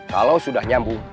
kalau sudah nyambung